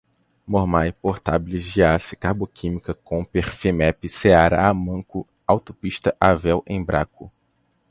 Mormaii, Portabilis, Giassi, Carboquímica, Comper, Femepe, Seara, Amanco, Autopista, Avell, Embraco